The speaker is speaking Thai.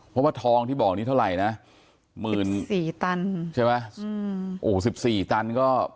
เพราะว่าทองที่บอกนี้เท่าไหร่นะหมื่นสี่ตันใช่ไหมอืมโอ้โหสิบสี่ตันก็